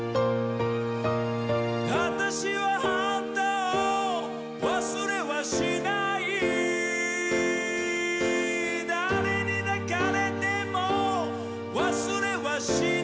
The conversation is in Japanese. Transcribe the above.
「あたしはあんたを忘れはしない」「誰に抱かれても忘れはしない」